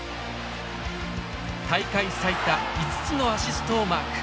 大会最多５つのアシストをマーク。